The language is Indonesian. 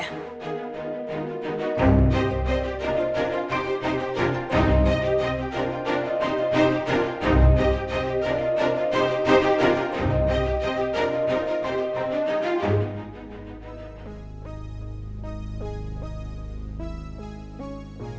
adel makan dulu